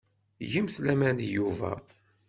Gemt laman deg Yuba.